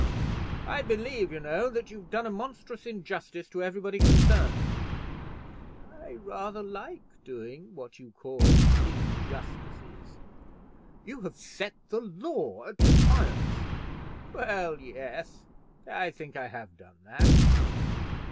"I believe, you know, that you've done a monstrous injustice to everybody concerned." "I rather like doing what you call injustices." "You have set the law at defiance." "Well, yes; I think I have done that."